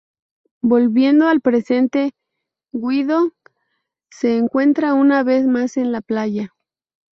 Volviendo al presente, Guido se encuentra una vez más en la playa.